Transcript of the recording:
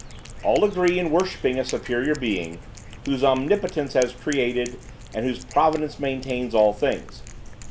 All agree in worshiping a superior being, whose omnipotence has created and whose providence maintains all things.